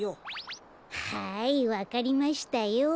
はいわかりましたよ。